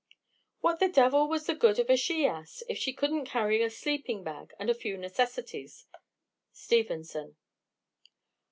What the devil was the good of a she ass, if she couldn't carry a sleeping bag and a few necessities? _Stevenson.